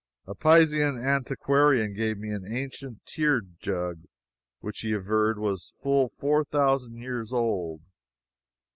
A Pisan antiquarian gave me an ancient tear jug which he averred was full four thousand years old.